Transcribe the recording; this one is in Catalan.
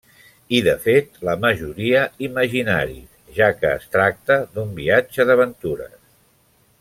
I de fet la majoria imaginaris, ja que es tracta d'un viatge d'aventures.